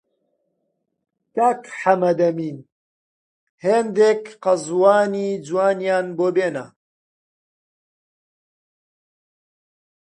کاک حەمەدەمین هێندێک قەزوانی جوانیان بۆ بێنە!